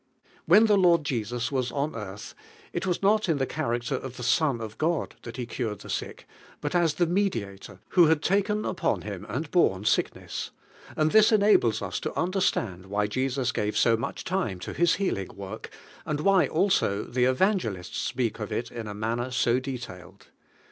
When Hie Lord Jesus was on earth, it was not in I he character of Bon of lied thai Ife cured the sick, bat as the Mediat or who had taken upon Him and borne sickness, and this enables us to under stand why Jesus gave so much time to His healing work, and why also the evangelists speak of it in a manner so deiailed.